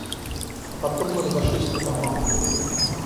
А потом мы разошлись по домам.